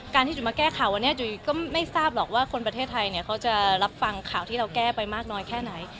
ที่จุ๋ยมาแก้ข่าววันนี้จุ๋ยก็ไม่ทราบหรอกว่าคนประเทศไทยเนี่ยเขาจะรับฟังข่าวที่เราแก้ไปมากน้อยแค่ไหน